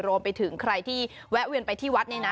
รวมไปถึงใครที่แวะเวียนไปที่วัดเนี่ยนะ